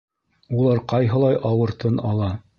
Улар ҡайһылай ауыр тын ала